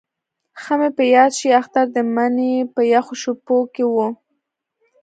ښه مې په یاد شي اختر د مني په یخو شپو کې وو.